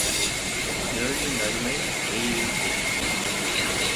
நிழலின் அருமை வெயிலில் தெரியும்.